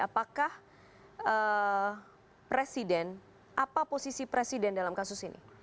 apakah presiden apa posisi presiden dalam kasus ini